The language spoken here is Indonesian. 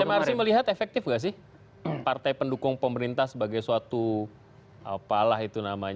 smrc melihat efektif gak sih partai pendukung pemerintah sebagai suatu palang